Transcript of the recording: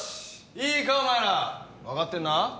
いいかお前ら分かってんな？